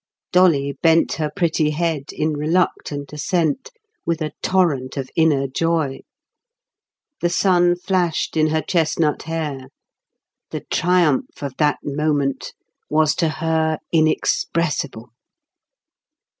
Dolly bent her pretty head in reluctant assent, with a torrent of inner joy. The sun flashed in her chestnut hair. The triumph of that moment was to her inexpressible.